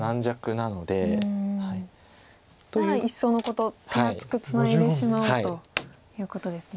ならいっそのこと手厚くツナいでしまおうということですね。